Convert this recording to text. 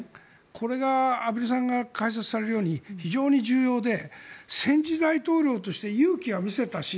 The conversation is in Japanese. これが畔蒜さんが解説されるように非常に重要で戦時大統領として勇気は見せたし